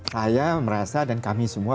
saya merasa dan kami semua